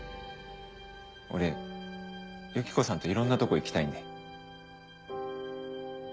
俺ユキコさんといろんなとこ行きたいんで。